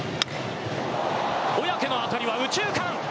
小宅の当たりは右中間！